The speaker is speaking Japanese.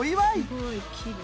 すごい、きれい。